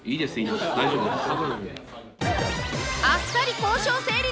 あっさり交渉成立！